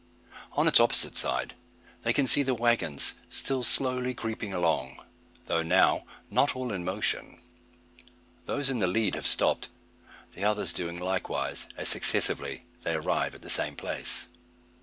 On its opposite side they can see the waggons still slowly creeping along, though now not all in motion. Those in the lead have stopped; the others doing likewise, as, successively, they arrive at the same place.